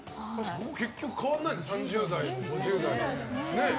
結局変わらないね３０代も４０代も。